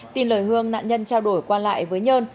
tin lời hương nạn nhân trao đổi qua lại với nhơn